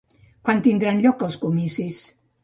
Quan tindran lloc els comicis?